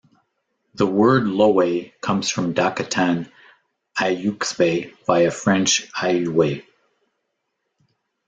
The word Ioway comes from Dakotan "ayuxbe" via French "aiouez".